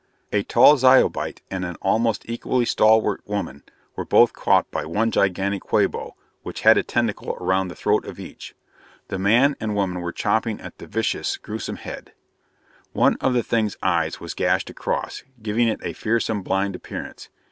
A tall Zyobite and an almost equally stalwart woman were both caught by one gigantic Quabo which had a tentacle around the throat of each. The man and woman were chopping at the viscous, gruesome head. One of the Thing's eyes was gashed across, giving it a fearsome, blind appearance.